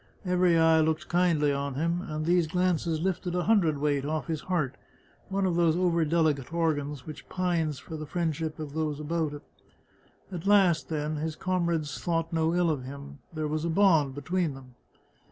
Every eye looked kindly on him, and these glances lifted a hundred weight off his heart, one of those overdelicate organs which pines for the friendship of those about it. At last, then, his comrades thought no ill of him ; there was a bond between them.